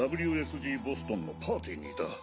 ボストンのパーティーにいた。